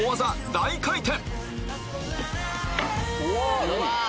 大回転